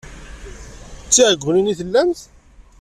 D tiɛeggunin i tellamt?